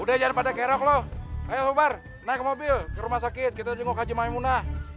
udah jangan pada kerok lo ayo bubar naik mobil ke rumah sakit kita nunggu kaji mahimunah